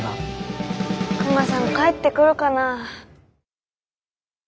クマさん帰ってくるかな。